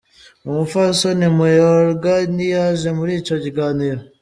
Umupfasoni Mayorga ntiyaje muri ico kiganiro.